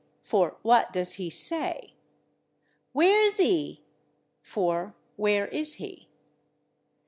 for "what does he say?" "ware zee?" for "where is he?"